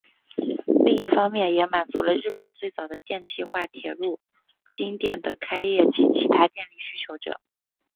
另一方面也满足了日本最早的电气化铁路京电的开业及其他电力需求者。